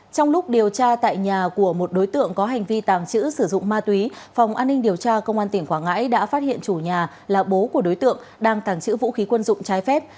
trong lúc điều tra tại nhà của một đối tượng có hành vi tàng trữ sử dụng ma túy phòng an ninh điều tra công an tỉnh quảng ngãi đã phát hiện chủ nhà là bố của đối tượng đang tàng trữ vũ khí quân dụng trái phép